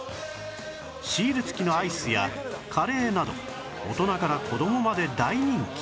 シール付きのアイスやカレーなど大人から子供まで大人気